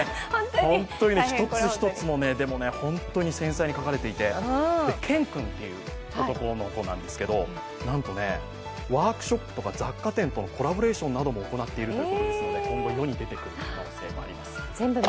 本当に一つ一つ、繊細に描かれていてけん君という男の子なんですけれども、なんとワークショップとか雑貨店とのコラボレーションなども行っているということですので、今後世に出てくる可能性もあります。